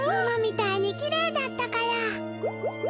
ママみたいにきれいだったから。